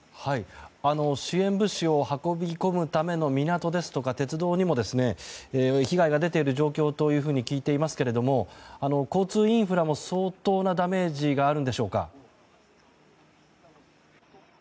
支援物資を運び込むための港や鉄道にも被害が出ている状況と聞いていますが交通インフラも、相当なダメージがあるんでしょうか。